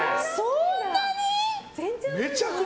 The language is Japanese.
そんなに？